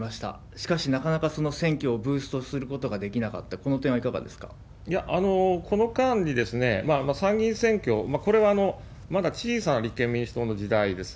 しかし、なかなかその選挙をブーストすることができなかった、この点はいいや、この間に参議院選挙、これはまだ小さな立憲民主党の時代です。